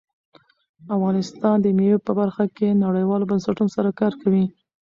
افغانستان د مېوې په برخه کې نړیوالو بنسټونو سره کار کوي.